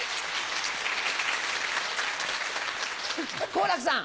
好楽さん。